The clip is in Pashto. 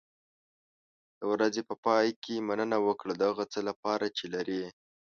د ورځې په پای کې مننه وکړه د هغه څه لپاره چې لرې.